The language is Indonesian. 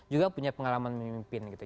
juga punya pengalaman memimpin gitu